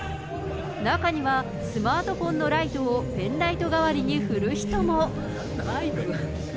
中には、スマートフォンのライトをペンライト代わりに振る人も。